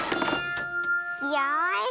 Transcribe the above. よし。